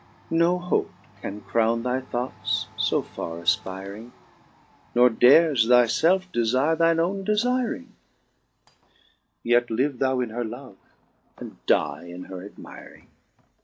No hope can crowne thy thoughts fo farre afpiring. Nor dares thy felfe defire thine owne defiring, Yet live thou in her love, and dye in her admiring."